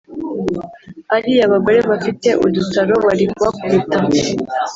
ariya bagore bafite udutaro bari kubakubita